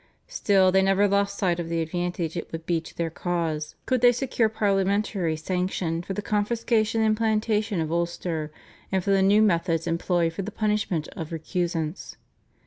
Still, they never lost sight of the advantage it would be to their cause could they secure parliamentary sanction for the confiscation and plantation of Ulster, and for the new methods employed for the punishment of recusants.